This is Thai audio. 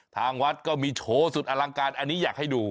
ทางวัดก็มีโชว์สุดอลังการอันนี้อยากให้ดู